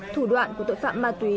thủ đoạn của tội phạm ma túy